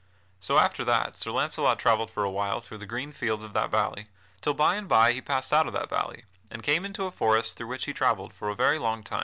So after that Sir Launcelot travelled for a while through the green fields of that valley, till by and by he passed out of that valley, and came into a forest through which he travelled for a very long time.